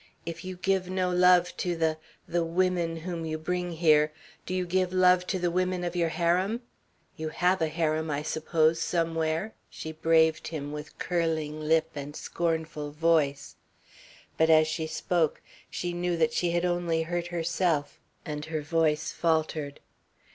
"If you give no love to the the women whom you bring here, do you give love to the women of your harem? You have a harem, I suppose, somewhere?" she braved him with curling lip and scornful voice, but as she spoke she knew that she had only hurt herself and her voice faltered.